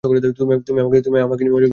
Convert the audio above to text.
তুমি আমাকে নিয়ে মজা করছো?